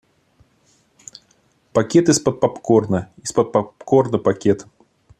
Пакет из-под попкорна, из-под попкорна пакет.